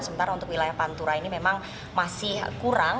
sementara untuk wilayah pantura ini memang masih kurang